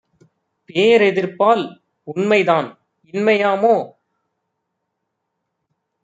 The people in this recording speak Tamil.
பேரெதிர்ப்பால் உண்மைதான் இன்மை யாமோ?